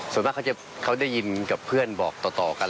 ส่วนมากเขาได้ยินกับเพื่อนบอกต่อกัน